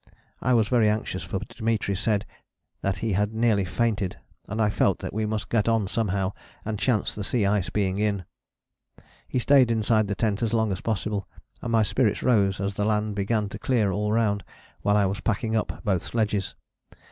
I was very anxious, for Dimitri said that he had nearly fainted, and I felt that we must get on somehow, and chance the sea ice being in. He stayed inside the tent as long as possible, and my spirits rose as the land began to clear all round while I was packing up both sledges.